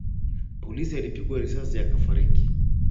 Polisi alipigwa risasi akafariki